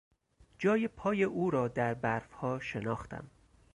جای پای او را در برفها شناختم.